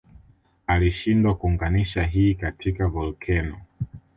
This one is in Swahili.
Alishindwa kuunganisha hii katika volkeno